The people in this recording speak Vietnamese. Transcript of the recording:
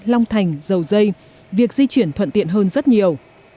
long thành dầu dây việc di chuyển thuận tiện hơn rất nhiều